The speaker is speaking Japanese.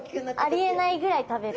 ありえないぐらい食べる。